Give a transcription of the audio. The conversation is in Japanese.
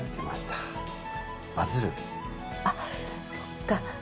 あっそっか。